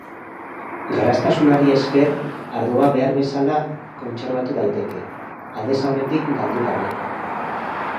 Garraztasunari esker ardoa behar bezala kontserbatu daiteke, aldez aurretik galdu gabe.